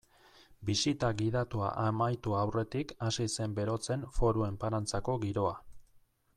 Bisita gidatua amaitu aurretik hasi zen berotzen Foru Enparantzako giroa.